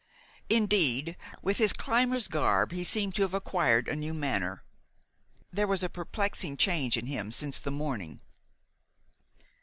Indeed, with his climber's garb he seemed to have acquired a new manner. There was a perplexing change in him since the morning.